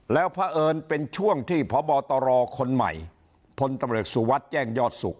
แล้วพระเอิญเป็นช่วงที่พบตรคนใหม่พลตำรวจสุวัสดิ์แจ้งยอดสุข